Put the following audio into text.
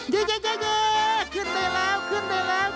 ขึ้นได้แล้วขึ้นได้แล้ว